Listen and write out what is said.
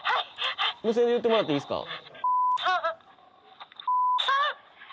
無線で言ってもらっていいすか？